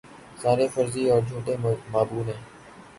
سارے فرضی اور جھوٹے معبود ہیں